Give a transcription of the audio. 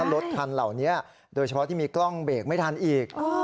รถคันเหล่านี้โดยเฉพาะที่มีกล้องเบรกไม่ทันอีก